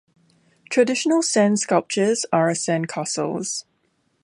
Traditional sand sculptures are sandcastles.